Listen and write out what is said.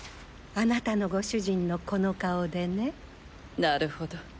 あなたの御主人のこの顔でねなるほど。